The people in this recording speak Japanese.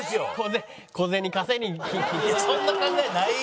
そんな考えない。